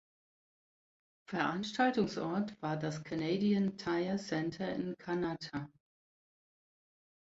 Veranstaltungsort war das Canadian Tire Centre in Kanata.